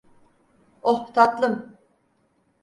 Oh, tatlım!